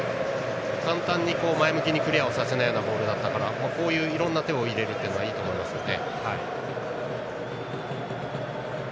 簡単に前向きにクリアをさせないようなプレーだったかなとそうしていろんな手を入れるのはいいと思いますね。